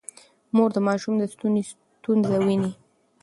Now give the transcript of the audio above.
مور د ماشوم د ستوني ستونزه ويني.